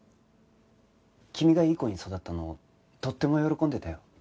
君がいい子に育ったのをとっても喜んでたよ